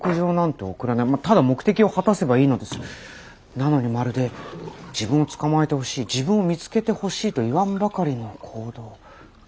なのにまるで自分を捕まえてほしい自分を見つけてほしいといわんばかりの行動。